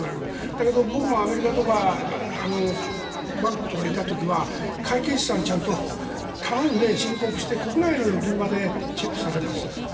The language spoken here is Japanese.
だけど僕もアメリカとかバンコクとか行った時は会計士さんにちゃんと頼んで申告して国内の預金までチェックされます。